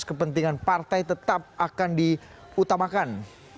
kepentingan partai tetap akan diutamakan